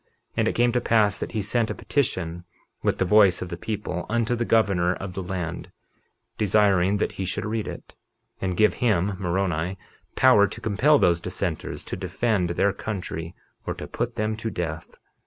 51:15 And it came to pass that he sent a petition, with the voice of the people, unto the governor of the land, desiring that he should read it, and give him (Moroni) power to compel those dissenters to defend their country or to put them to death.